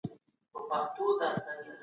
رنګينه